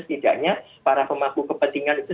setidaknya para pemangku kepentingan itu